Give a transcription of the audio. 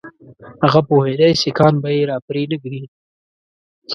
هغه پوهېدی سیکهان به یې را پرې نه ږدي.